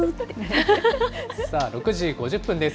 ６時５０分です。